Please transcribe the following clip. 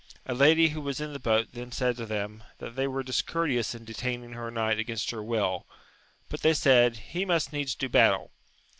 A lady who was in the boat then said to them, that they were discourteous in detaining her knight against her will ; but they said. He must needs do battle.